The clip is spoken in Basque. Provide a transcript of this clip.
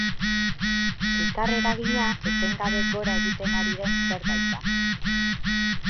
Elkarreragina etengabe gora egiten ari den zerbait da.